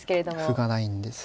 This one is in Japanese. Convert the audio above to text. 歩がないんですね。